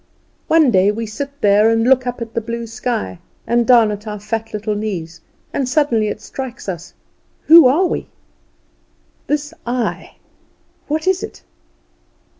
One day we sit there and look up at the blue sky, and down at our fat little knees; and suddenly it strikes us, Who are we? This I, what is it?